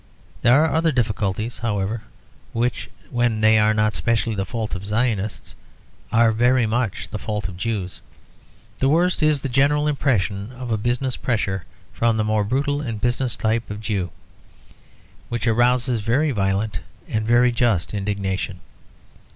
There are other difficulties, however, which when they are not specially the fault of Zionists are very much the fault of Jews. The worst is the general impression of a business pressure from the more brutal and businesslike type of Jew, which arouses very violent and very just indignation.